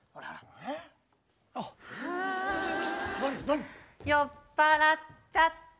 え？は酔っ払っちゃった。